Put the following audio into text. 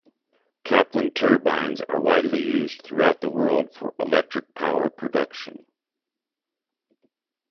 Kaplan turbines are widely used throughout the world for electrical power production.